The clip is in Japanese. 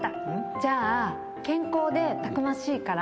じゃあ健康でたくましいから。